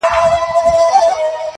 له یوه ښاخه تر بله په هوا سو!!